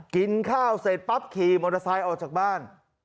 กินข้าวเสร็จปั๊บขี่มอเตอร์ไซค์ออกจากบ้าน